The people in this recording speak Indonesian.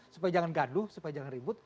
supaya jangan gaduh supaya jangan ribut